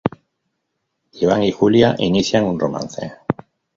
Iván y Julia inician un romance.